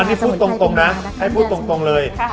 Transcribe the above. อันนี้พูดตรงนะให้พูดตรงเลย